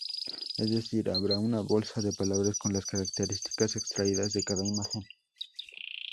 Es decir, habrá una bolsa de palabras con las características extraídas de cada imagen.